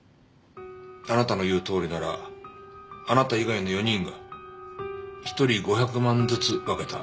あなたの言うとおりならあなた以外の４人が１人５００万ずつ分けた。